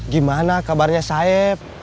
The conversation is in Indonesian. gimana kabarnya saeb